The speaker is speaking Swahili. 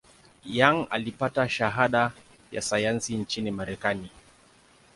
Young alipata shahada ya sayansi nchini Marekani.